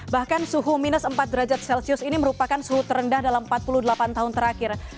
bahkan suhu minus empat derajat celcius ini merupakan suhu terendah dalam empat puluh delapan tahun terakhir